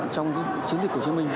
trong chiến dịch hồ chí minh